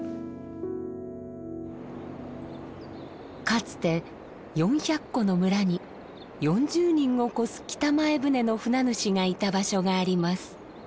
かつて４００戸の村に４０人を超す北前船の船主がいた場所があります。